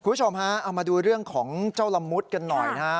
คุณผู้ชมฮะเอามาดูเรื่องของเจ้าละมุดกันหน่อยนะฮะ